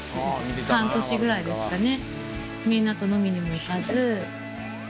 半年ぐらいですかね。